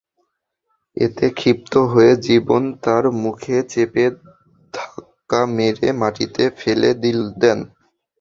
এতে ক্ষিপ্ত হয়ে জীবন তাঁর মুখ চেপে ধাক্কা মেরে মাটিতে ফেলে দেন।